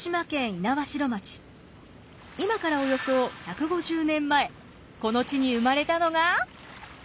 今からおよそ１５０年前この地に生まれたのが。